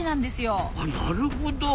あなるほど。